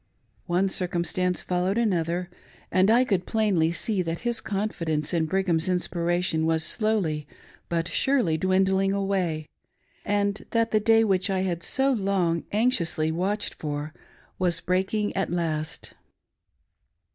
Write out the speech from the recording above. One circumstance followed another, and I could plainly see that his confidence in Brigham's inspiration was slowly but surely dwindling away, and that the day which I had so long anxiously watched for was breaking at last.